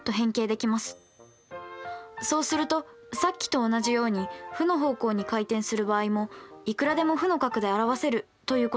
そうするとさっきと同じように負の方向に回転する場合もいくらでも負の角で表せるということですか？